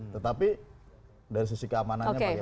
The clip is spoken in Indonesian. tetapi dari sisi keamanannya bagaimana